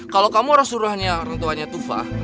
kalau kamu orang suruhan orang tuanya tufa